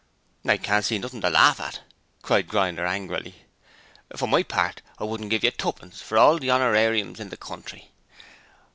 'I can't see nothing to laugh at,' cried Grinder angrily. 'For my part I wouldn't give you tuppence for all the honorariums in the country.